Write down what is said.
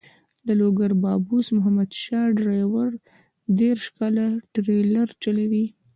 د لوګر بابوس محمد شاه ډریور دېرش کاله ټریلر چلوي.